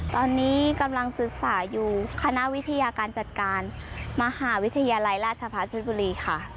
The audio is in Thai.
ตอนนี้กำลังศึกษาอยู่คณะวิทยาการจัดการมหาวิทยาลัยราชพัฒน์เพชรบุรีค่ะ